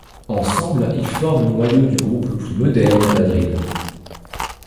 Ensemble, ils forment le noyau du groupe le plus moderne à Madrid.